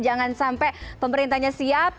jangan sampai pemerintahnya siap